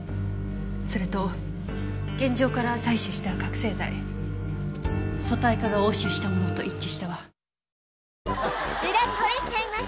それと現場から採取した覚醒剤組対課が押収したものと一致したわ。